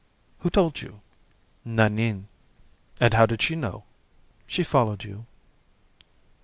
"Who told you?" "Nanine." "And how did she know?" "She followed you."